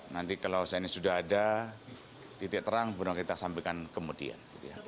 nanti kalau saya ini sudah ada titik terang benerang kita sampaikan kemudian